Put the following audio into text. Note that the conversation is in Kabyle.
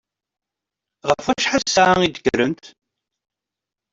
Ɣef wacḥal ssaɛa i d-kkrent?